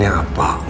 daleman keluarga saya